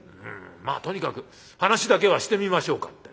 まあとにかく話だけはしてみましょうか」